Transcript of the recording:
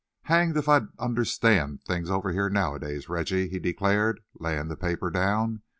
"Hanged if I understand things over here, nowadays, Reggie!" he declared, laying the paper down.